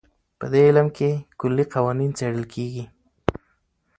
په دې علم کې کلي قوانین څېړل کېږي.